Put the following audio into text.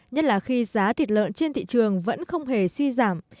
nhất là khi giá thịt lợn trên thị trường vẫn không hề suy giảm